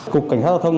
cục cảnh sát giao thông